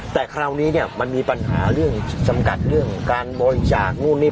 แต่คราวนี้เนี่ยมันมีปัญหาเรื่องจำกัดเรื่องการบริจาคนู่นนี่